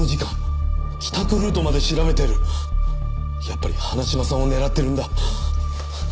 やっぱり花島さんを狙ってるんだ。